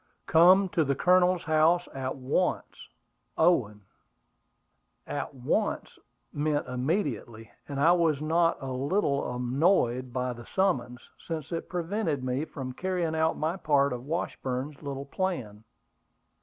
"Come to the Colonel's house at once. OWEN." "At once" meant immediately; and I was not a little annoyed by the summons, since it prevented me from carrying out my part of Washburn's little plan.